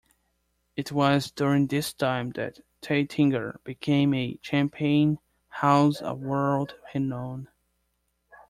It was during this time that Taittinger became a champagne house of world renown.